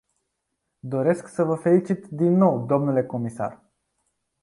Doresc să vă felicit, din nou, dle comisar.